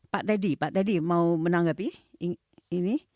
pak teddy pak teddy mau menanggapi ini